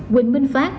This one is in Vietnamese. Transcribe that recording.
huỳnh minh pháp